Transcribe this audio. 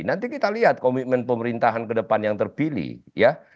nanti kita lihat komitmen pemerintahan ke depan yang terpilih ya